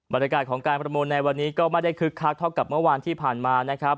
บรรยากาศของการประมูลในวันนี้ก็ไม่ได้คึกคักเท่ากับเมื่อวานที่ผ่านมานะครับ